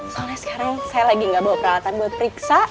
soalnya sekarang saya lagi nggak bawa peralatan buat periksa